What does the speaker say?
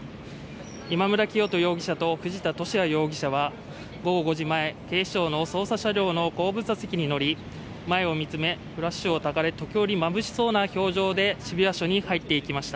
今村磨人容疑者と藤田聖也容疑者は午後５時前、警視庁の捜査車両の後部座席に乗り前を見つめ、フラッシュをたかれ、時折まぶしそうな表情で渋谷署に入っていきました。